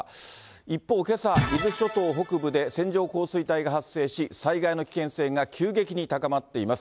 一方、けさ、伊豆諸島北部で線状降水帯が発生し、災害の危険性が急激に高まっています。